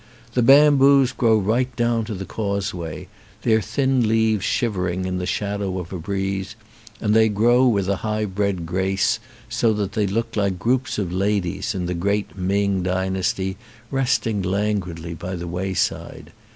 The bamboos grow right down to the causeway, their thin leaves shivering in the shadow of a breeze, and they grow with a high bred grace so that they look like groups of ladies in the Great Ming dynasty rest ing languidly by the way side.